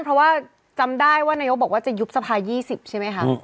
เพราะว่าจำได้ว่านายกบอกว่าจะยุบสภา๒๐ใช่ไหมคะ